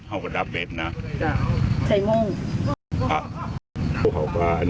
เอากระดับเวทนะ